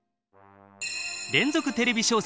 連続テレビ小説